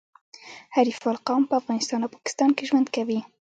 حریفال قوم په افغانستان او پاکستان کي ژوند کوي.